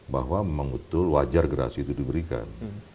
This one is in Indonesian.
bahwa memang betul wajar gerasi itu diberikan